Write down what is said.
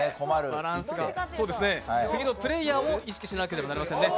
次のプレーヤーも意識しなければいけませんね。